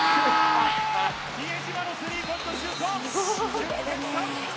比江島のスリーポイントシュート、１０点差。